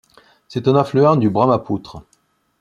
C'est un affluent du Brahmapoutre.